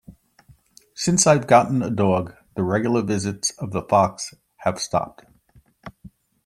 Since I've gotten a dog, the regular visits of the fox have stopped.